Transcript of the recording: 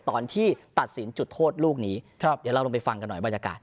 ตอนที่ตัดสินจุดโทษลูกนี้เดี๋ยวเราลงไปฟังกันหน่อยบรรยากาศ